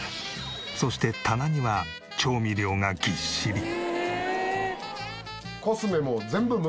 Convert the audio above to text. そして棚には調味料がぎっしり。